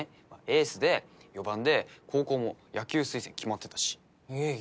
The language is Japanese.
エースで４番で高校も野球推薦決まってたしえっ？